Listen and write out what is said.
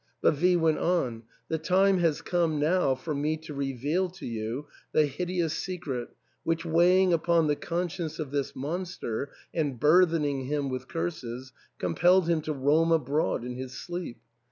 But V went on, " The time has come now for me to reveal to you the hideous secret which, weighing upon the conscience of this monster and burthening him with curses, com pelled him to roam abroad in his sleep.